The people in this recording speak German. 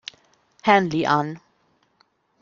Hanley an.